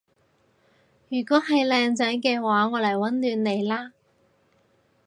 如果係靚仔嘅話我嚟溫暖你啦